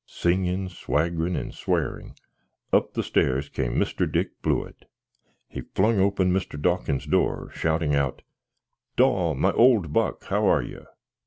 Singin, swagrin, and swarink up stares came Mr. Dick Blewitt. He flung open Mr. Dawkins's door, shouting out, "Daw, my old buck, how are you?"